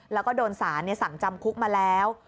แล้วก็โดนสารสั่งจำคุกมาแล้ว